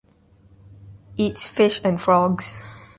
Eats fish and frogs.